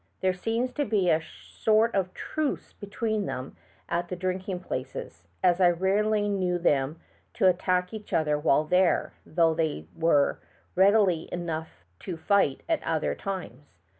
There seems to be a sort of truce between them at the drinking places, as I rarely knew them to attack each other while there, though they were ready enough to fight at other times.